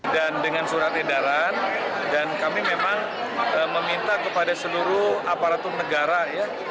dan dengan surat edaran dan kami memang meminta kepada seluruh aparatur negara ya